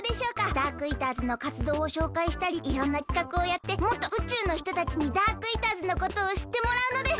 ダークイーターズのかつどうをしょうかいしたりいろんなきかくをやってもっとうちゅうのひとたちにダークイーターズのことをしってもらうのです。